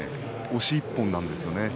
押し１本なんですよね。